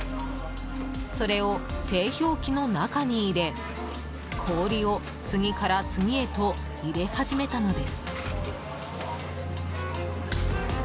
それを製氷機の中に入れ、氷を次から次へと入れ始めたのです。